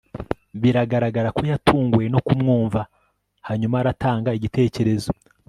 biragaragara ko yatunguwe no kumwumva hanyuma aratanga igitekerezo